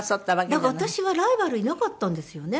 だから私はライバルいなかったんですよね。